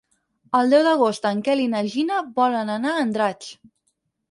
El deu d'agost en Quel i na Gina volen anar a Andratx.